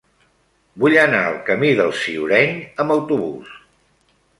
Vull anar al camí del Ciureny amb autobús.